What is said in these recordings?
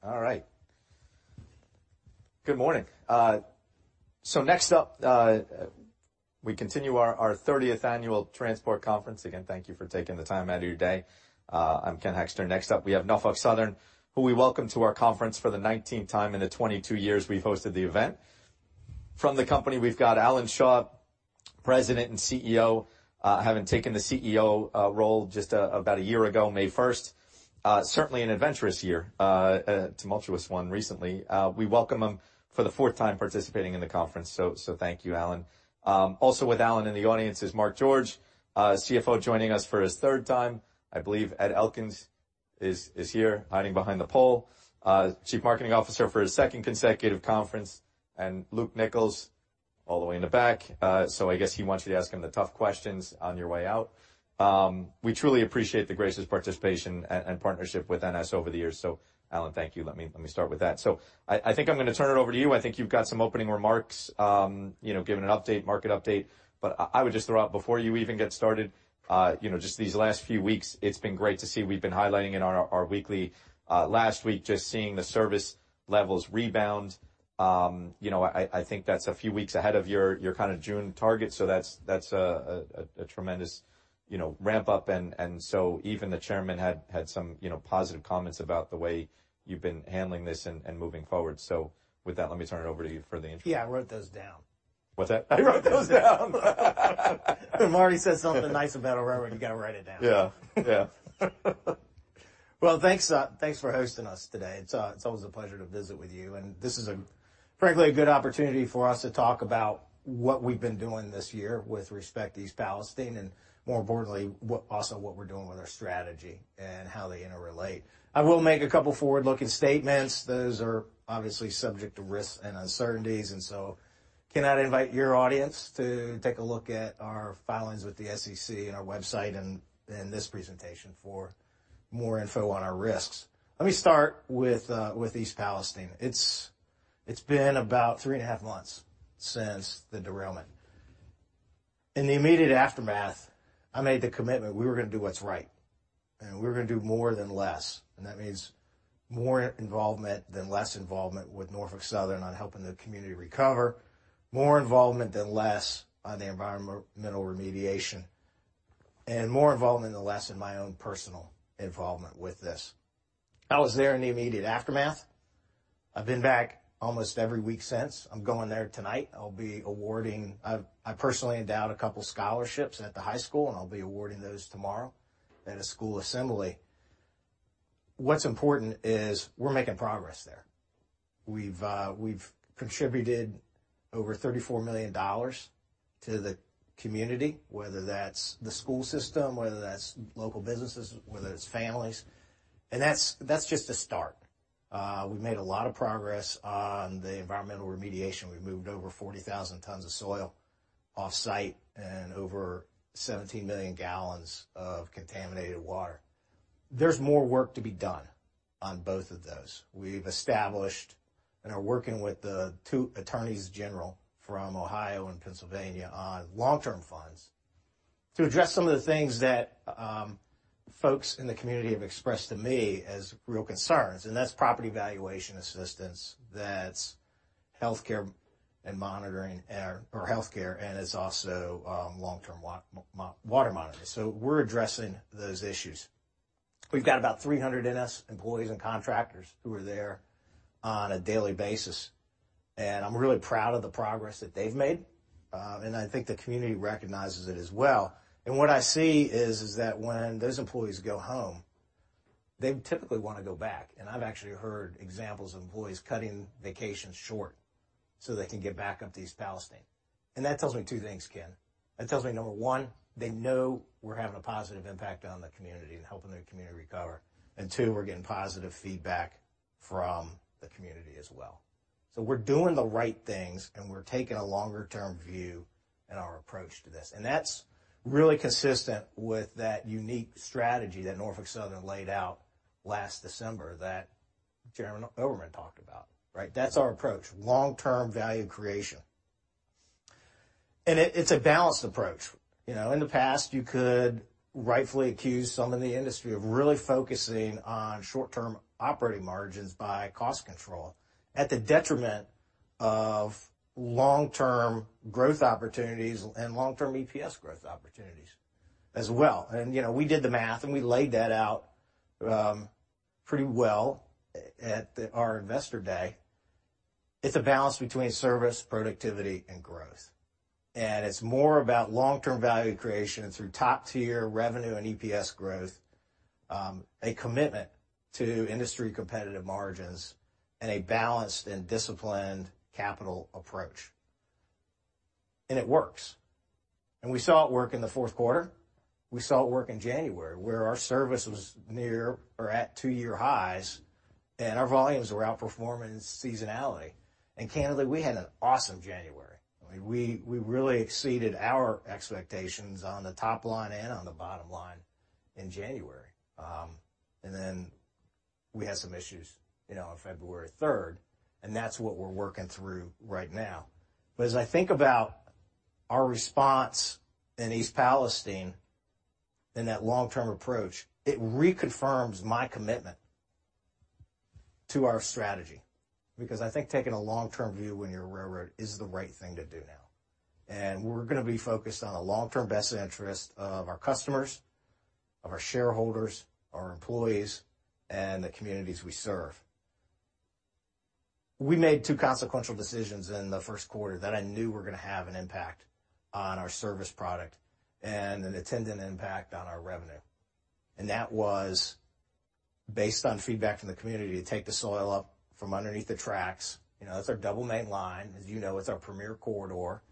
All right. Good morning. Next up, we continue our 30th Annual Transport Conference. Again, thank you for taking the time out of your day. I'm Ken Hoexter. Next up, we have Norfolk Southern, who we welcome to our conference for the 19th time in the 22 years we've hosted the event. From the company, we've got Alan Shaw, President and CEO. Having taken the CEO role just about a year ago, May first. Certainly an adventurous year, a tumultuous one recently. We welcome him for the fourth time participating in the conference. Thank you, Alan. Also with Alan in the audience is Mark George, CFO, joining us for his third time. I believe Ed Elkins is here hiding behind the pole. Chief Marketing Officer for his second consecutive conference, and Luke Nichols all the way in the back. I guess he wants you to ask him the tough questions on your way out. We truly appreciate the gracious participation and partnership with NS over the years. Alan, thank you. Let me start with that. I think I'm gonna turn it over to you. I think you've got some opening remarks, you know, giving an update, market update. I would just throw out before you even get started, you know, just these last few weeks, it's been great to see we've been highlighting in our weekly, last week, just seeing the service levels rebound. You know, I think that's a few weeks ahead of your kinda June target. That's a tremendous, you know, ramp-up and so even the Chairman had some, you know, positive comments about the way you've been handling this and moving forward. With that, let me turn it over to you for the intro. Yeah, I wrote those down. What's that? I wrote those down. If Marty says something nice about a railroad, you gotta write it down. Yeah. Yeah. Well, thanks for hosting us today. It's, it's always a pleasure to visit with you, and this is, frankly, a good opportunity for us to talk about what we've been doing this year with respect to East Palestine and, more importantly, also what we're doing with our strategy and how they interrelate. I will make a couple forward-looking statements. Those are obviously subject to risks and uncertainties, cannot invite your audience to take a look at our filings with the SEC and our website and this presentation for more info on our risks. Let me start with East Palestine. It's been about three and a half months since the derailment. In the immediate aftermath, I made the commitment we were gonna do what's right, and we were gonna do more than less. That means more involvement than less involvement with Norfolk Southern on helping the community recover, more involvement than less on the environmental remediation, and more involvement than less in my own personal involvement with this. I was there in the immediate aftermath. I've been back almost every week since. I'm going there tonight. I've, I personally endowed a couple scholarships at the high school, and I'll be awarding those tomorrow at a school assembly. What's important is we're making progress there. We've contributed over $34 million to the community, whether that's the school system, whether that's local businesses, whether it's families, and that's just a start. We've made a lot of progress on the environmental remediation. We've moved over 40,000 tons of soil off-site and over 17 million gallons of contaminated water. There's more work to be done on both of those. We've established and are working with the two attorneys general from Ohio and Pennsylvania on long-term funds to address some of the things that folks in the community have expressed to me as real concerns, and that's property valuation assistance, that's healthcare and monitoring or healthcare, and it's also long-term water monitoring. We're addressing those issues. We've got about 300 NS employees and contractors who are there on a daily basis. I'm really proud of the progress that they've made. I think the community recognizes it as well. What I see is that when those employees go home, they typically wanna go back. I've actually heard examples of employees cutting vacations short so they can get back up to East Palestine. That tells me two things, Ken. That tells me, number one, they know we're having a positive impact on the community and helping their community recover. Two, we're getting positive feedback from the community as well. We're doing the right things, and we're taking a longer-term view in our approach to this. That's really consistent with that unique strategy that Norfolk Southern laid out last December that Chairman Oberman talked about, right? That's our approach: long-term value creation. It's a balanced approach. You know, in the past, you could rightfully accuse some in the industry of really focusing on short-term operating margins by cost control at the detriment of long-term growth opportunities and long-term EPS growth opportunities as well. You know, we did the math, and we laid that out pretty well at our investor day. It's a balance between service, productivity, and growth. It's more about long-term value creation through top-tier revenue and EPS growth, a commitment to industry competitive margins, and a balanced and disciplined capital approach. It works. We saw it work in the fourth quarter. We saw it work in January, where our service was near or at two-year highs, and our volumes were outperforming seasonality. Candidly, we had an awesome January. I mean, we really exceeded our expectations on the top line and on the bottom line in January. Then we had some issues, you know, on February 3rd, and that's what we're working through right now. As I think about our response in East Palestine. In that long-term approach, it reconfirms my commitment to our strategy because I think taking a long-term view when you're a railroad is the right thing to do now. We're gonna be focused on the long-term best interest of our customers, of our shareholders, our employees, and the communities we serve. We made two consequential decisions in the first quarter that I knew were gonna have an impact on our service product and an attendant impact on our revenue. That was based on feedback from the community to take the soil up from underneath the tracks. You know, that's our double main line. As you know, it's our premier corridor.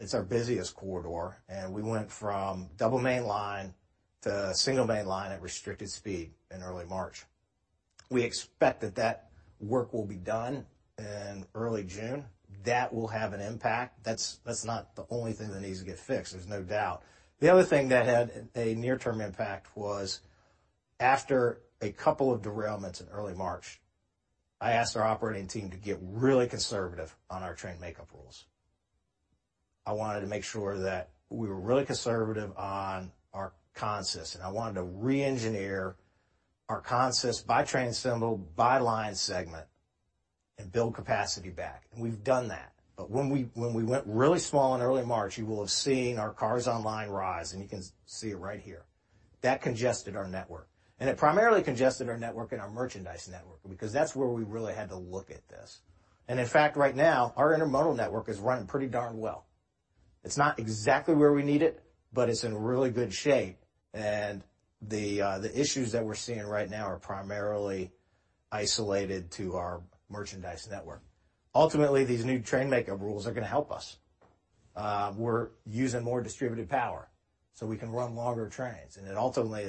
It's our busiest corridor, and we went from double main line to single main line at restricted speed in early March. We expect that that work will be done in early June. That will have an impact. That's not the only thing that needs to get fixed, there's no doubt. The other thing that had a near-term impact was after a couple of derailments in early March, I asked our operating team to get really conservative on our train makeup rules. I wanted to make sure that we were really conservative on our consists, and I wanted to re-engineer our consists by train symbol, by line segment, and build capacity back. We've done that. When we went really small in early March, you will have seen our cars online rise, and you can see it right here. That congested our network, and it primarily congested our network and our merchandise network because that's where we really had to look at this. In fact, right now, our intermodal network is running pretty darn well. It's not exactly where we need it, but it's in really good shape, and the issues that we're seeing right now are primarily isolated to our merchandise network. Ultimately, these new train makeup rules are gonna help us. We're using more distributed power so we can run longer trains, and it ultimately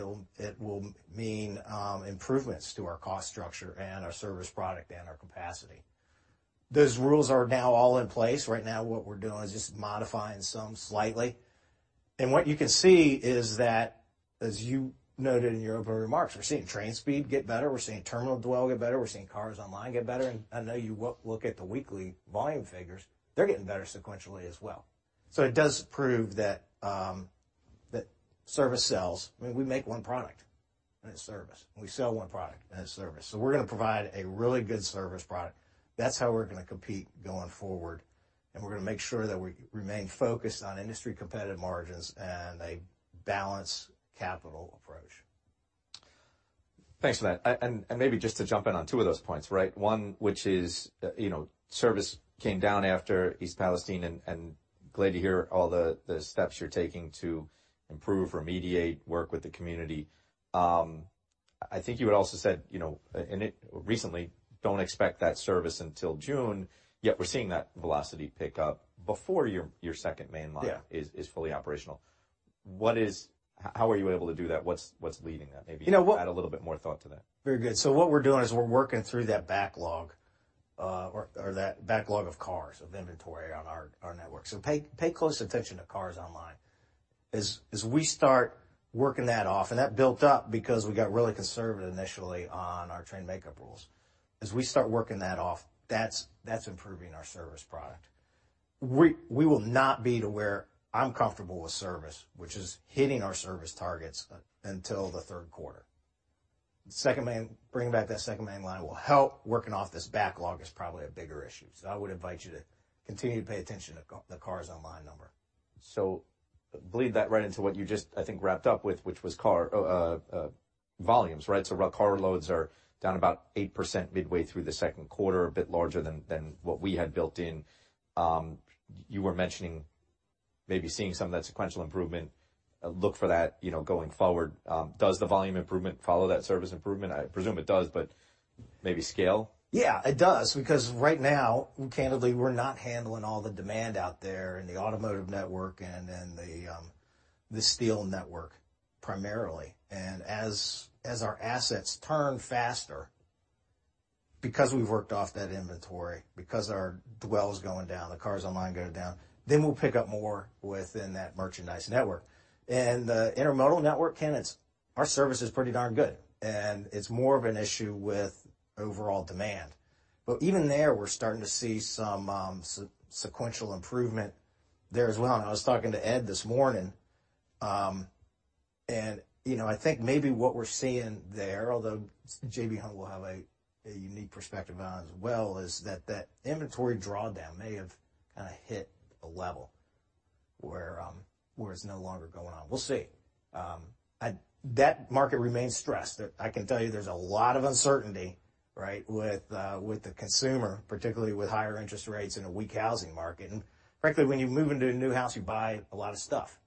will mean improvements to our cost structure and our service product and our capacity. Those rules are now all in place. Right now what we're doing is just modifying some slightly. What you can see is that, as you noted in your opening remarks, we're seeing train speed get better, we're seeing terminal dwell get better, we're seeing cars online get better. I know you look at the weekly volume figures, they're getting better sequentially as well. It does prove that service sells. I mean, we make one product, and it's service. We sell one product, and it's service. We're gonna provide a really good service product. That's how we're gonna compete going forward, and we're gonna make sure that we remain focused on industry competitive margins and a balanced capital approach. Thanks for that. Maybe just to jump in on two of those points, right? One, which is, you know, service came down after East Palestine and glad to hear all the steps you're taking to improve, remediate, work with the community. I think you had also said, you know, recently, don't expect that service until June, yet we're seeing that velocity pick up before your second main line. Yeah. Is fully operational. How are you able to do that? What's leading that? You know. Add a little bit more thought to that. Very good. What we're doing is we're working through that backlog, or that backlog of cars, of inventory on our network. Pay close attention to cars online. As we start working that off, and that built up because we got really conservative initially on our train makeup rules. As we start working that off, that's improving our service product. We will not be to where I'm comfortable with service, which is hitting our service targets until the third quarter. Bringing back that second main line will help. Working off this backlog is probably a bigger issue, I would invite you to continue to pay attention to the cars online number. Bleed that right into what you just, I think, wrapped up with, which was car volumes, right? Car loads are down about 8% midway through the second quarter, a bit larger than what we had built in. You were mentioning maybe seeing some of that sequential improvement. Look for that, you know, going forward. Does the volume improvement follow that service improvement? I presume it does, but maybe scale? Yeah, it does because right now, candidly, we're not handling all the demand out there in the automotive network and in the steel network primarily. As our assets turn faster because we've worked off that inventory, because our dwell is going down, the cars online are going down, then we'll pick up more within that merchandise network. The intermodal network, Ken, it's our service is pretty darn good, and it's more of an issue with overall demand. Even there, we're starting to see some sequential improvement there as well. I was talking to Ed this morning, and you know, I think maybe what we're seeing there, although J.B. Hunt will have a unique perspective on it as well, is that that inventory drawdown may have kinda hit a level where it's no longer going on. We'll see. That market remains stressed. I can tell you there's a lot of uncertainty, right, with the consumer, particularly with higher interest rates and a weak housing market. Frankly, when you move into a new house, you buy a lot of stuff,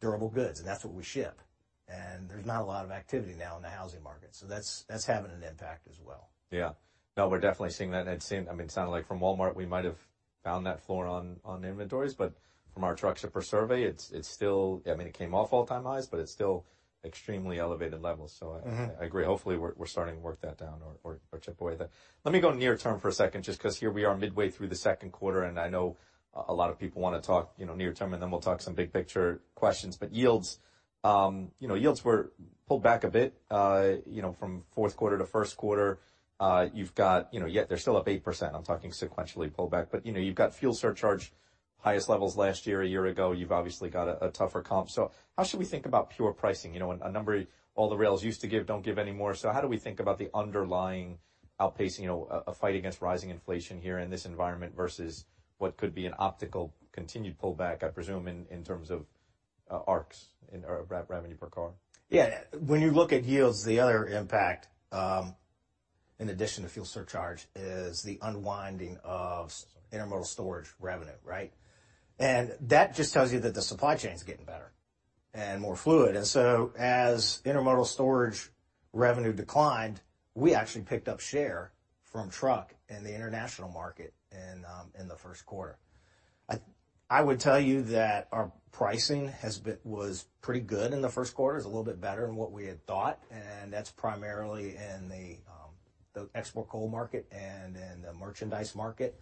durable goods, and that's what we ship. There's not a lot of activity now in the housing market, that's having an impact as well. Yeah. No, we're definitely seeing that. I mean, it sounded like from Walmart we might have found that floor on inventories. From our truck shipper survey, it's still, I mean, it came off all-time highs, it's still extremely elevated levels. I agree. Hopefully, we're starting to work that down or chip away there. Let me go near term for a second just 'cause here we are midway through the second quarter, and I know a lot of people wanna talk, you know, near term, and then we'll talk some big picture questions. Yields, you know, yields were pulled back a bit, you know, from fourth quarter to first quarter, you've got, you know, yet they're still up 8%. I'm talking sequentially pullback, but, you know, you've got fuel surcharge, highest levels last year, a year ago. You've obviously got a tougher comp. How should we think about pure pricing? You know, a number all the rails used to give, don't give anymore. How do we think about the underlying outpacing, you know, a fight against rising inflation here in this environment versus what could be an optical continued pullback, I presume, in terms of arcs in or revenue per car? Yeah. When you look at yields, the other impact, in addition to fuel surcharge is the unwinding of intermodal storage revenue, right. That just tells you that the supply chain's getting better and more fluid. As intermodal storage revenue declined, we actually picked up share from truck in the international market in the first quarter. I would tell you that our pricing was pretty good in the first quarter. It's a little bit better than what we had thought, and that's primarily in the export coal market and in the merchandise market.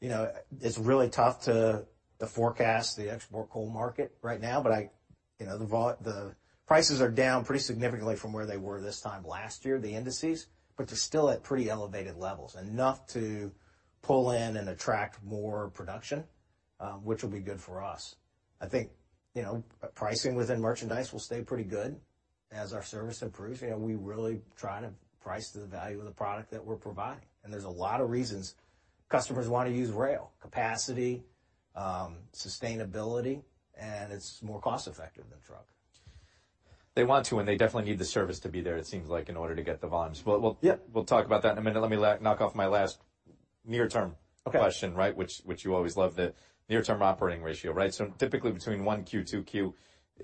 You know, it's really tough to forecast the export coal market right now, but I, you know, the prices are down pretty significantly from where they were this time last year, the indices, but they're still at pretty elevated levels. Enough to pull in and attract more production, which will be good for us. I think, you know, pricing within merchandise will stay pretty good as our service improves. You know, we really try to price to the value of the product that we're providing, and there's a lot of reasons customers wanna use rail. Capacity, sustainability, and it's more cost effective than truck. They want to, and they definitely need the service to be there, it seems like, in order to get the volumes. Yeah. We'll talk about that in a minute. Let me knock off my last near-term question. Okay. Right? Which you always love the near-term operating ratio, right? Typically between 1Q, 2Q,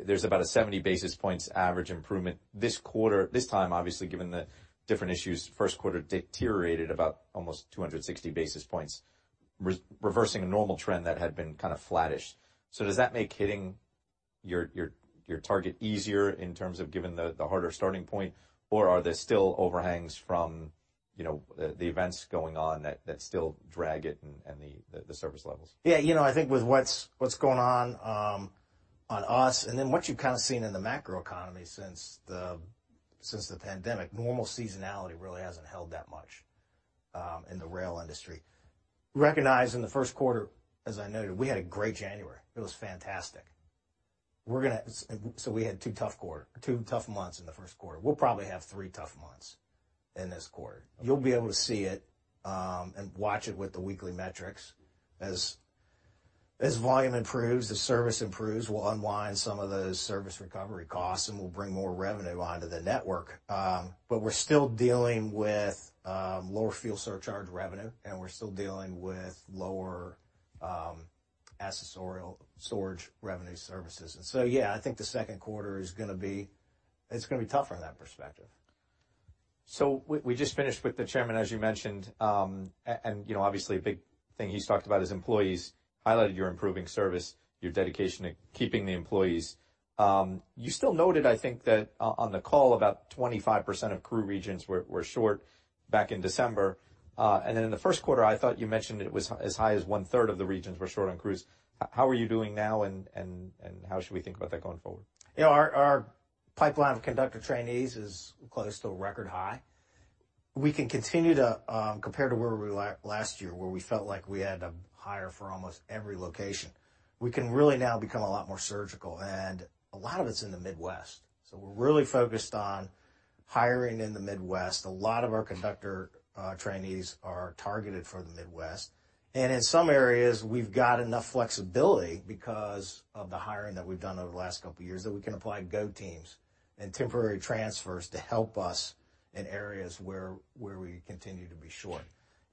there's about a 70 basis points average improvement. This time, obviously, given the different issues, first quarter deteriorated about almost 260 basis points, reversing a normal trend that had been kind of flattish. Does that make hitting your target easier in terms of given the harder starting point, or are there still overhangs from, you know, the events going on that still drag it and the service levels? Yeah, you know, I think with what's going on on us and then what you've kind of seen in the macroeconomy since the pandemic, normal seasonality really hasn't held that much in the rail industry. Recognize in the first quarter, as I noted, we had a great January. It was fantastic. So we had two tough months in the first quarter. We'll probably have three tough months in this quarter. You'll be able to see it and watch it with the weekly metrics. As volume improves, the service improves, we'll unwind some of those service recovery costs, and we'll bring more revenue onto the network. But we're still dealing with lower fuel surcharge revenue, and we're still dealing with lower accessorial storage revenue services. Yeah, I think the second quarter is gonna. It's gonna be tougher in that perspective. We just finished with the chairman, as you mentioned, and, you know, obviously, a big thing he's talked about is employees, highlighted your improving service, your dedication to keeping the employees. You still noted, I think, that on the call, about 25% of crew regions were short back in December. In the first quarter, I thought you mentioned it was as high as 1/3 of the regions were short on crews. How are you doing now and how should we think about that going forward? You know, our pipeline of conductor trainees is close to a record high. We can continue to, compared to where we were last year, where we felt like we had to hire for almost every location. We can really now become a lot more surgical, and a lot of it's in the Midwest, so we're really focused on hiring in the Midwest. A lot of our conductor trainees are targeted for the Midwest. In some areas, we've got enough flexibility because of the hiring that we've done over the last couple years, that we can apply go teams and temporary transfers to help us in areas where we continue to be short.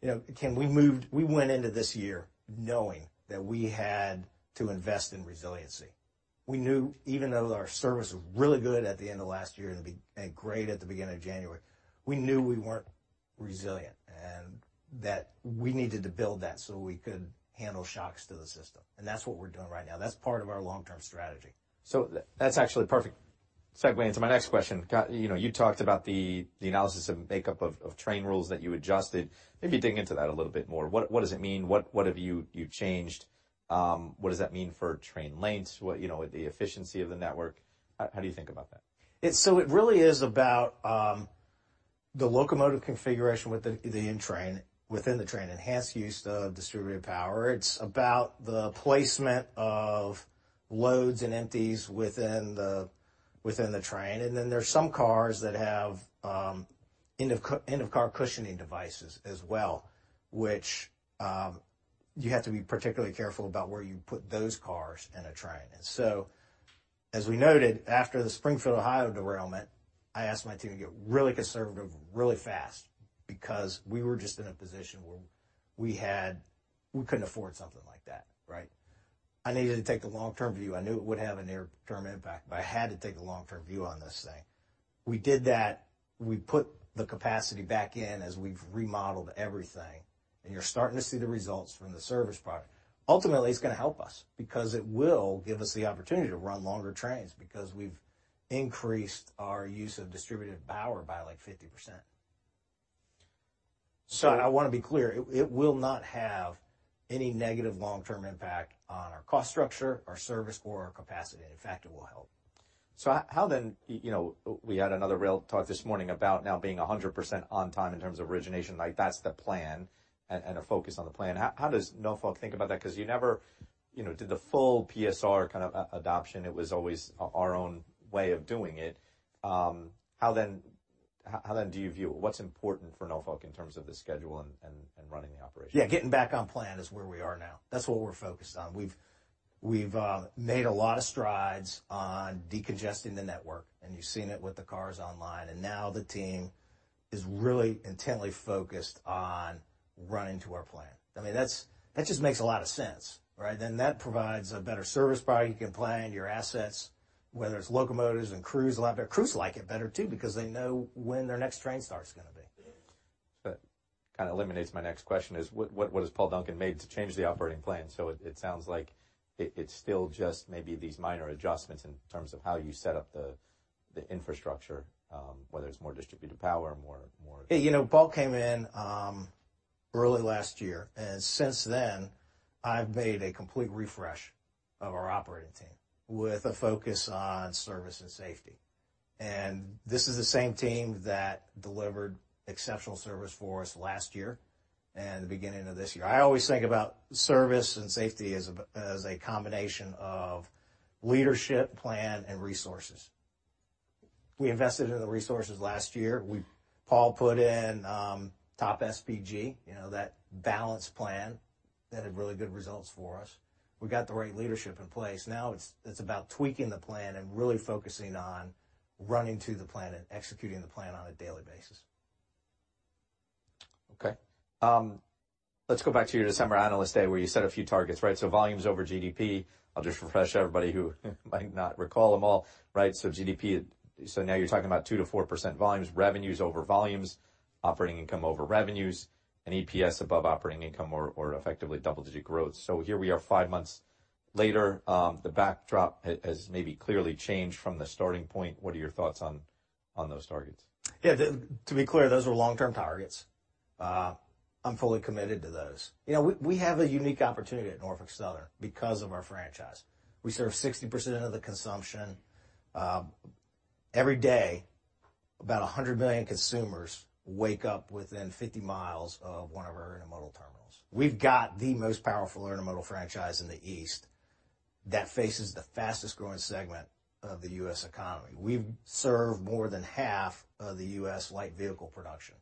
You know, Ken, we went into this year knowing that we had to invest in resiliency. We knew even though our service was really good at the end of last year and great at the beginning of January, we knew we weren't resilient and that we needed to build that so we could handle shocks to the system. That's what we're doing right now. That's part of our long-term strategy. That's actually a perfect segue into my next question. Got, you know, you talked about the analysis of makeup of train rules that you adjusted. Maybe dig into that a little bit more. What does it mean? What have you changed? What does that mean for train lengths? What, you know, the efficiency of the network? How do you think about that? It really is about the locomotive configuration with the in-train, within the train. Enhanced use of distributed power. It's about the placement of loads and empties within the, within the train. There's some cars that have end-of-car cushioning devices as well, which you have to be particularly careful about where you put those cars in a train. As we noted, after the Springfield, Ohio derailment, I asked my team to get really conservative really fast because we were just in a position where we couldn't afford something like that, right? I needed to take the long-term view. I knew it would have a near-term impact, but I had to take the long-term view on this thing. We did that. We put the capacity back in as we've remodeled everything. You're starting to see the results from the service product. Ultimately, it's gonna help us because it will give us the opportunity to run longer trains because we've increased our use of distributed power by, like, 50%. I want to be clear. It will not have any negative long-term impact on our cost structure, our service or our capacity. In fact, it will help. How then, you know, we had another rail talk this morning about now being 100% on time in terms of origination. That's the plan and a focus on the plan. How does Norfolk think about that? You never, you know, did the full PSR kind of adoption. It was always our own way of doing it. How then do you view it? What's important for Norfolk in terms of the schedule and running the operation? Yeah. Getting back on plan is where we are now. That's what we're focused on. We've made a lot of strides on decongesting the network, and you've seen it with the cars online. Now the team is really intently focused on running to our plan. I mean, that just makes a lot of sense, right? That provides a better service buy. You can plan your assets, whether it's locomotives and crews a lot better. Crews like it better too, because they know when their next train start's going to be. That kind of eliminates my next question, is what has Paul Duncan made to change the operating plan? It sounds like it's still just maybe these minor adjustments in terms of how you set up the infrastructure, whether it's more distributed power, more. You know, Paul came in early last year. Since then, I've made a complete refresh of our operating team with a focus on service and safety. This is the same team that delivered exceptional service for us last year and the beginning of this year. I always think about service and safety as a combination of leadership, plan and resources. We invested in the resources last year. Paul put in TOP|SPG, you know, that balanced plan that had really good results for us. We got the right leadership in place. Now, it's about tweaking the plan and really focusing on running to the plan and executing the plan on a daily basis. Okay. Let's go back to your December analyst day where you set a few targets, right? Volumes over GDP. I'll just refresh everybody who might not recall them all. Right? GDP, so now you're talking about 2%-4% volumes, revenues over volumes, operating income over revenues, and EPS above operating income or effectively double-digit growth. Here we are five months later. The backdrop has maybe clearly changed from the starting point. What are your thoughts on those targets? Yeah. To be clear, those are long-term targets. I'm fully committed to those. You know, we have a unique opportunity at Norfolk Southern because of our franchise. We serve 60% of the consumption. Every day, about 100 million consumers wake up within 50 miles of one of our intermodal terminals. We've got the most powerful intermodal franchise in the East that faces the fastest-growing segment of the U.S. economy. We serve more than half of the U.S. light vehicle production.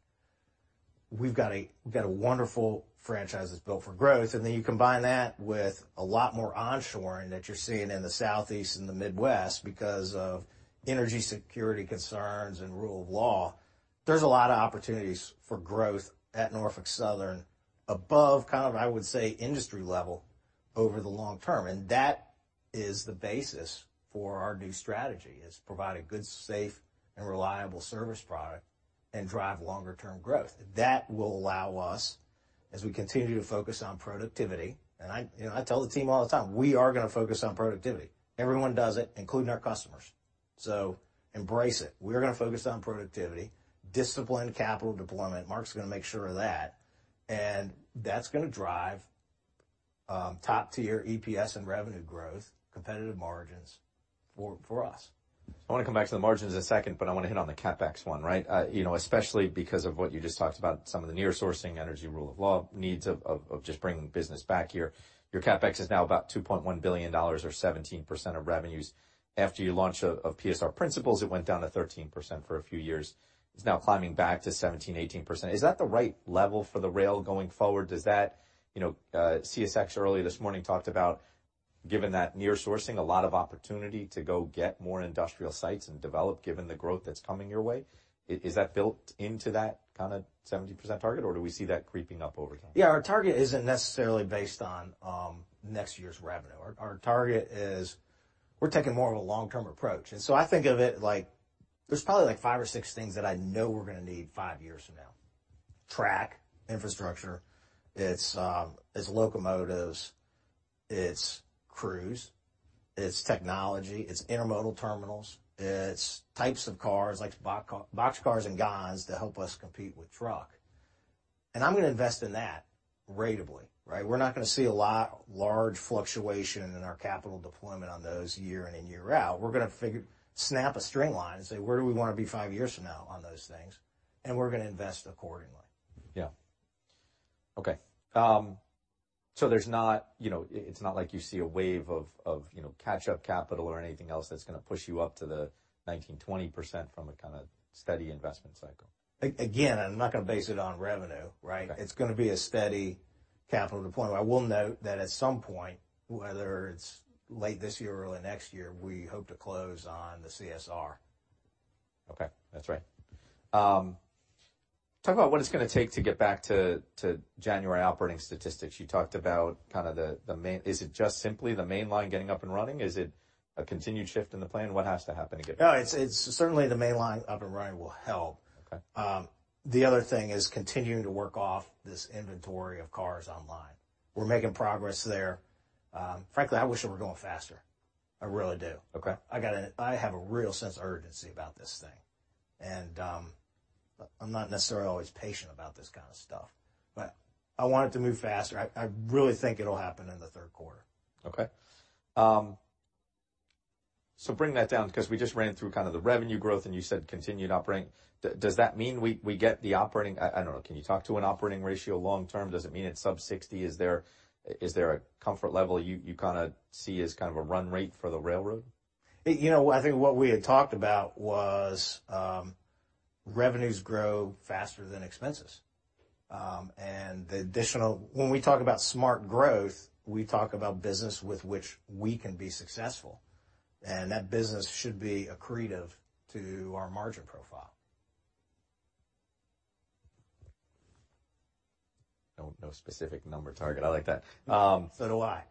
We've got a wonderful franchise that's built for growth. You combine that with a lot more onshoring that you're seeing in the Southeast and the Midwest because of energy security concerns and rule of law. There's a lot of opportunities for growth at Norfolk Southern above kind of, I would say, industry level over the long-term. That is the basis for our new strategy, is provide a good, safe and reliable service product and drive longer term growth. That will allow us, as we continue to focus on productivity, and I, you know, I tell the team all the time, we are gonna focus on productivity. Everyone does it, including our customers. Embrace it. We're gonna focus on productivity, disciplined capital deployment. Mark's gonna make sure of that. That's gonna drive, top-tier EPS and revenue growth, competitive margins for us. I wanna come back to the margins in a second, but I wanna hit on the CapEx one, right? You know, especially because of what you just talked about, some of the near-sourcing energy rule of law needs of just bringing business back here. Your CapEx is now about $2.1 billion or 17% of revenues. After you launch of PSR principles, it went down to 13% for a few years. It's now climbing back to 17%-18%. Is that the right level for the rail going forward? You know, CSX earlier this morning talked about given that near-sourcing a lot of opportunity to go get more industrial sites and develop given the growth that's coming your way. Is that built into that kinda 70% target, or do we see that creeping up over time? Yeah. Our target isn't necessarily based on next year's revenue. Our target is we're taking more of a long-term approach. I think of it like there's probably, like, five or six things that I know we're gonna need five years from now. Track, infrastructure, it's locomotives, it's crews, it's technology, it's intermodal terminals, it's types of cars like boxcars and gons to help us compete with truck. I'm gonna invest in that ratably, right? We're not gonna see a large fluctuation in our capital deployment on those year in and year out. We're gonna snap a string line and say, "Where do we wanna be five years from now on those things?" We're gonna invest accordingly. Yeah. Okay. There's not, you know, it's not like you see a wave of, you know, catch-up capital or anything else that's gonna push you up to the 19%, 20% from a kinda steady investment cycle. Again, I'm not gonna base it on revenue, right? Okay. It's gonna be a steady capital deployment. I will note that at some point, whether it's late this year or early next year, we hope to close on the CSR. Okay. That's right. Talk about what it's gonna take to get back to January operating statistics. You talked about kind of the main--. Is it just simply the main line getting up and running? Is it a continued shift in the plan? What has to happen to get? No, it's certainly the main line up and running will help. Okay. The other thing is continuing to work off this inventory of cars online. We're making progress there. Frankly, I wish it were going faster. I really do. Okay. I have a real sense of urgency about this thing, and I'm not necessarily always patient about this kind of stuff, but I want it to move faster. I really think it'll happen in the third quarter. Okay. Bring that down because we just ran through kind of the revenue growth and you said continued operating. Does that mean we get the operating... I don't know, can you talk to an operating ratio long-term? Does it mean it's sub-60? Is there a comfort level you kind of see as kind of a run rate for the railroad? You know, I think what we had talked about was, revenues grow faster than expenses. When we talk about smart growth, we talk about business with which we can be successful, and that business should be accretive to our margin profile. No, no specific number target. I like that. So do I.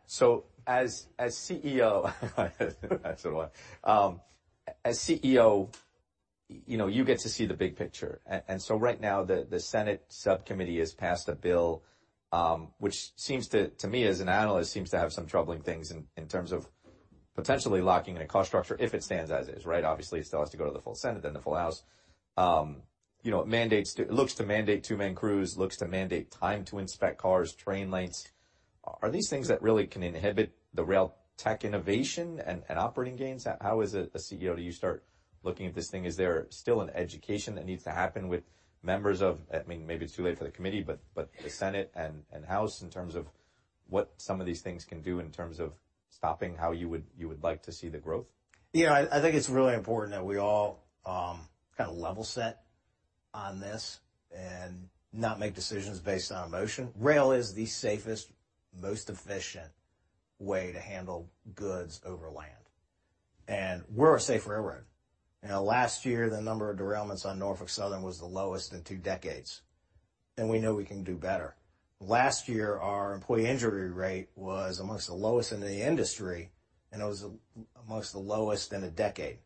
As CEO so do I. As CEO, you know, you get to see the big picture. Right now, the Senate subcommittee has passed a bill, which seems to me, as an analyst, seems to have some troubling things in terms of potentially locking in a cost structure if it stands as is, right. Obviously, it still has to go to the full Senate then the full House. You know, it looks to mandate two-man crews, looks to mandate time to inspect cars, train lengths. Are these things that really can inhibit the rail tech innovation and operating gains? How is it, as CEO, do you start looking at this thing, is there still an education that needs to happen with members of, I mean, maybe it's too late for the committee, but the Senate and House in terms of what some of these things can do in terms of stopping how you would like to see the growth? Yeah. I think it's really important that we all kind of level set on this and not make decisions based on emotion. Rail is the safest, most efficient way to handle goods over land. We're a safe railroad. You know, last year, the number of derailments on Norfolk Southern was the lowest in two decades. We know we can do better. Last year, our employee injury rate was amongst the lowest in the industry, and it was amongst the lowest in a decade,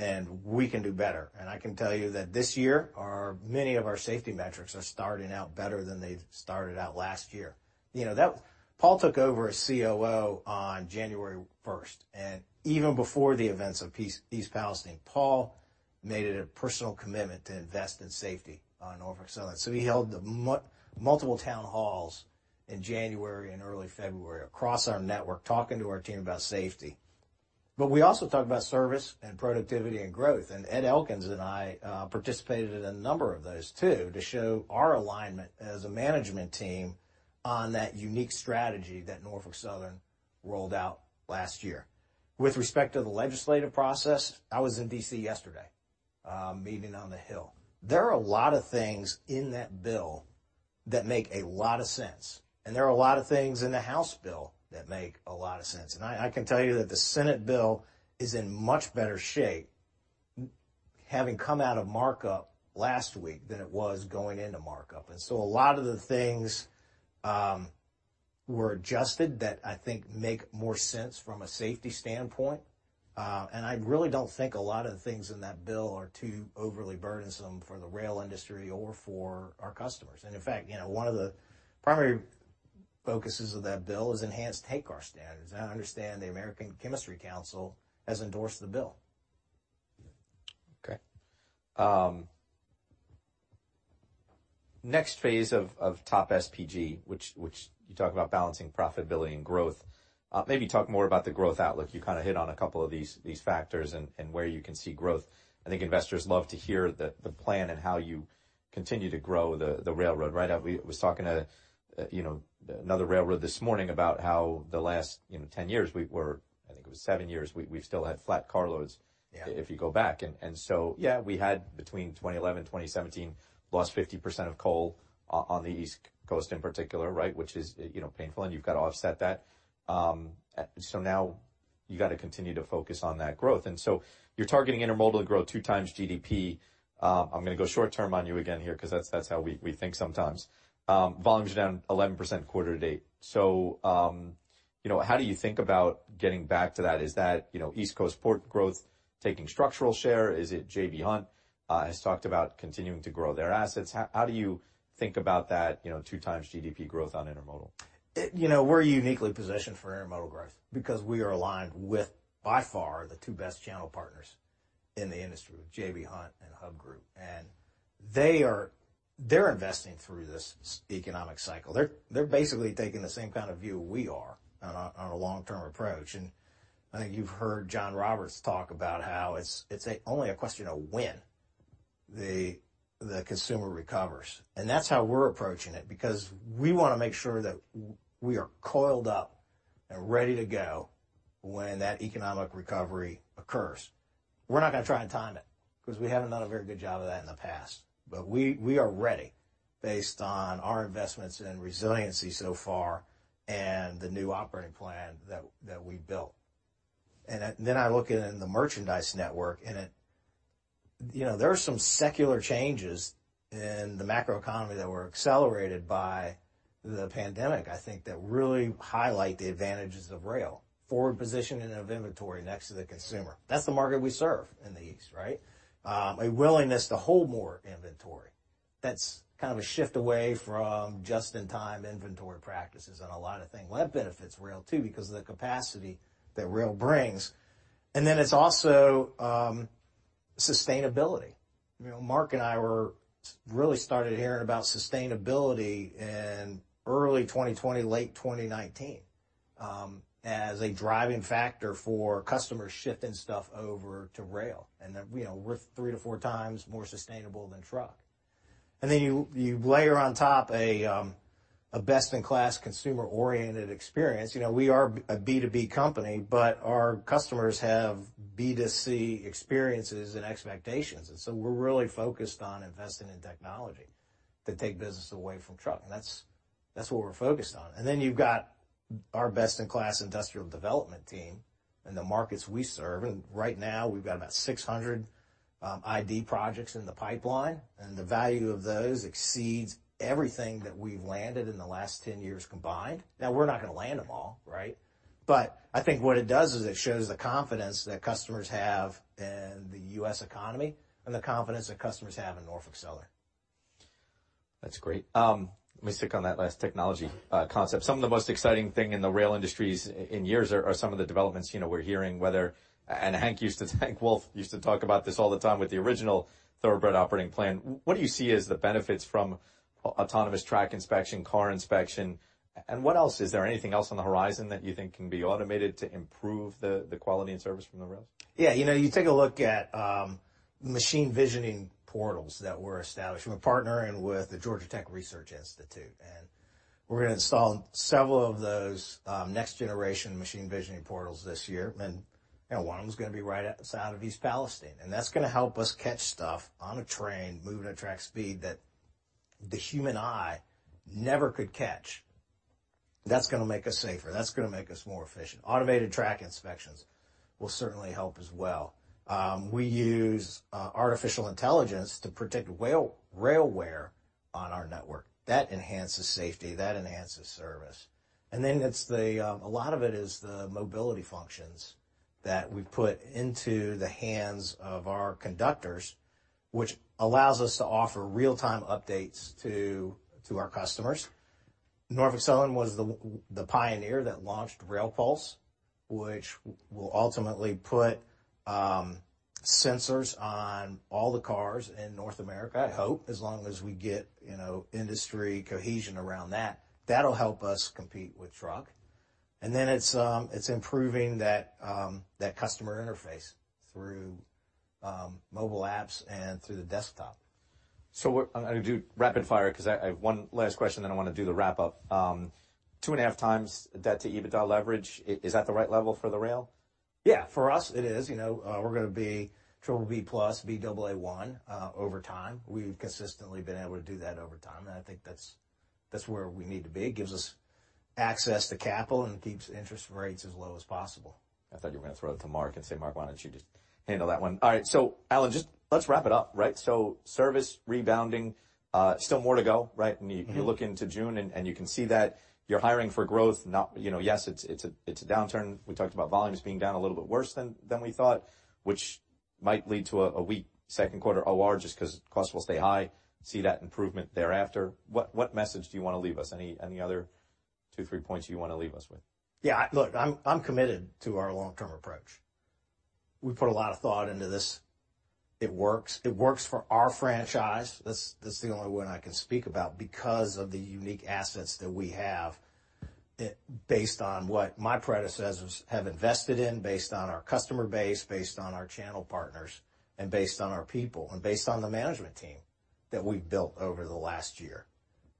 and we can do better. I can tell you that this year, many of our safety metrics are starting out better than they started out last year. You know, Paul took over as COO on January 1st, and even before the events of East Palestine, Paul made it a personal commitment to invest in safety on Norfolk Southern. He held multiple town halls in January and early February across our network talking to our team about safety. We also talked about service and productivity and growth. Ed Elkins and I participated in a number of those too to show our alignment as a management team on that unique strategy that Norfolk Southern rolled out last year. With respect to the legislative process, I was in D.C. yesterday, meeting on the Hill. There are a lot of things in that bill that make a lot of sense, and there are a lot of things in the House bill that make a lot of sense. I can tell you that the Senate bill is in much better shape having come out of markup last week than it was going into markup. A lot of the things were adjusted that I think make more sense from a safety standpoint. I really don't think a lot of the things in that bill are too overly burdensome for the rail industry or for our customers. In fact, you know, one of the primary focuses of that bill is enhanced tank car standards. As I understand, the American Chemistry Council has endorsed the bill. Okay. Next phase of TOP|SPG, which you talk about balancing profitability and growth. Maybe talk more about the growth outlook. You kind of hit on a couple of these factors and where you can see growth. I think investors love to hear the plan and how you continue to grow the railroad, right? I was talking to, you know, another railroad this morning about how the last, you know, 10 years I think it was seven years, we've still had flat car loads. Yeah. If you go back. Yeah, we had between 2011, 2017, lost 50% of coal on the East Coast in particular, right? Which is, you know, painful, and you've got to offset that. Now you got to continue to focus on that growth. You're targeting intermodal growth 2x GDP. I'm gonna go short term on you again here because that's how we think sometimes. Volumes are down 11% quarter-to-date. You know, how do you think about getting back to that? Is that, you know, East Coast port growth taking structural share? Is it J.B. Hunt has talked about continuing to grow their assets. How do you think about that, you know, 2x GDP growth on intermodal? You know, we're uniquely positioned for intermodal growth because we are aligned with, by far, the two best channel partners in the industry, with J.B. Hunt and Hub Group. They're investing through this economic cycle. They're basically taking the same kind of view we are on a long-term approach. I think you've heard John Roberts talk about how it's only a question of when the consumer recovers. That's how we're approaching it, because we want to make sure that we are coiled up and ready to go when that economic recovery occurs. We're not gonna try and time it because we haven't done a very good job of that in the past. We are ready based on our investments in resiliency so far and the new operating plan that we built. I look in the merchandise network and it. You know, there are some secular changes in the macroeconomy that were accelerated by the pandemic, I think, that really highlight the advantages of rail. Forward positioning of inventory next to the consumer. That's the market we serve in the East, right. A willingness to hold more inventory. That's kind of a shift away from just-in-time inventory practices on a lot of things. Well, that benefits rail too because of the capacity that rail brings. It's also sustainability. You know, Mark and I really started hearing about sustainability in early 2020, late 2019, as a driving factor for customers shifting stuff over to rail. You know, we're 3 to 4x more sustainable than truck. You, you layer on top a best-in-class consumer-oriented experience. You know, we are a B2B company, but our customers have B2C experiences and expectations. We're really focused on investing in technology to take business away from truck. That's what we're focused on. Then you've got our best-in-class industrial development team in the markets we serve. Right now we've got about 600 ID projects in the pipeline, and the value of those exceeds everything that we've landed in the last 10 years combined. We're not gonna land them all, right? I think what it does is it shows the confidence that customers have in the U.S. economy and the confidence that customers have in Norfolk Southern. That's great. Let me stick on that last technology concept. Some of the most exciting thing in the rail industries in years are some of the developments, you know, we're hearing, whether... Hank Wolf used to talk about this all the time with the original Thoroughbred operating plan. What do you see as the benefits from autonomous track inspection, car inspection, and what else? Is there anything else on the horizon that you think can be automated to improve the quality and service from the rails? Yeah. You know, you take a look at machine vision portals that we're establishing. We're partnering with the Georgia Tech Research Institute, we're gonna install several of those next generation machine vision portals this year. You know, one of them is gonna be right outside of East Palestine, and that's gonna help us catch stuff on a train moving at track speed that the human eye never could catch. That's gonna make us safer. That's gonna make us more efficient. Automated track inspections will certainly help as well. We use artificial intelligence to predict rail wear on our network. That enhances safety, that enhances service. Then it's the a lot of it is the mobility functions that we put into the hands of our conductors, which allows us to offer real-time updates to our customers. Norfolk Southern was the pioneer that launched RailPulse, which will ultimately put sensors on all the cars in North America, I hope, as long as we get, you know, industry cohesion around that. That'll help us compete with truck. It's improving that customer interface through mobile apps and through the desktop. I'm gonna do rapid fire 'cause I have one last question, then I wanna do the wrap up. 2.5x debt to EBITDA leverage, is that the right level for the rail? Yeah. For us it is. You know, we're gonna be BBB+, Baa1 over time. We've consistently been able to do that over time. I think that's where we need to be. It gives us access to capital and keeps interest rates as low as possible. I thought you were gonna throw that to Mark and say, "Mark, why don't you just handle that one?" All right. Alan, just let's wrap it up, right? Service rebounding, still more to go, right? You look into June and you can see that you're hiring for growth, not, you know. Yes, it's a downturn. We talked about volumes being down a little bit worse than we thought, which might lead to a weak second quarter OR just 'cause costs will stay high, see that improvement thereafter. What message do you wanna leave us? Any other two, three points you wanna leave us with? Yeah. Look, I'm committed to our long-term approach. We put a lot of thought into this. It works. It works for our franchise. That's the only one I can speak about because of the unique assets that we have based on what my predecessors have invested in, based on our customer base, based on our channel partners and based on our people and based on the management team that we've built over the last year.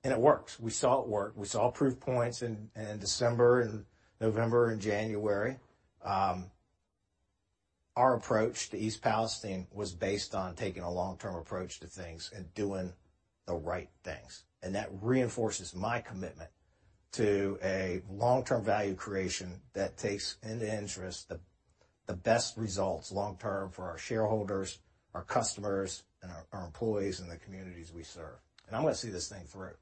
It works. We saw it work. We saw proof points in December and November and January. Our approach to East Palestine was based on taking a long-term approach to things and doing the right things. It reinforces my commitment to a long-term value creation that takes into interest the best results long-term for our shareholders, our customers, and our employees, and the communities we serve. I'm gonna see this thing through.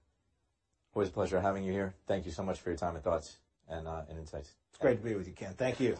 Always a pleasure having you here. Thank you so much for your time and thoughts and insights. It's great to be with you, Ken. Thank you.